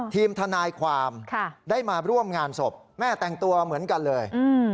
ทีมทนายความได้มาร่วมงานศพแม่แต่งตัวเหมือนกันเลย